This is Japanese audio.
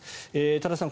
多田さん